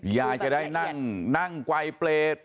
ยายจะได้นั่งไกลเปรต